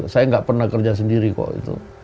saya nggak pernah kerja sendiri kok itu